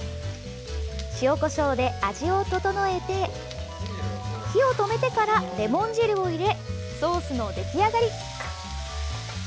塩、こしょうで味を調えて火を止めてからレモン汁を入れソースの出来上がり。